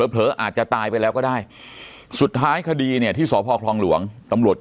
เผลออาจจะตายไปแล้วก็ได้สุดท้ายคดีเนี่ยที่สพคลองหลวงตำรวจก็